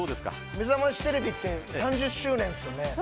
めざましテレビって３０周年ですよね。